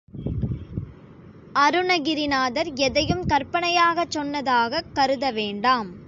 அருணகிரிநாதர் எதையும் கற்பனையாகச் சொன்னதாகக் கருத வேண்டாம்.